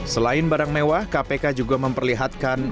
selain barang mewah kpk juga memperlihatkan